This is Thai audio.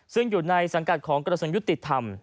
ซึ่งอยู่ในสังกัดของกระทรวงยุติธรรม